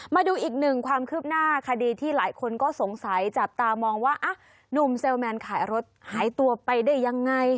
มาดูอีกหนึ่งความคืบหน้าคดีที่หลายคนก็สงสัยจับตามองว่าหนุ่มเซลแมนขายรถหายตัวไปได้ยังไง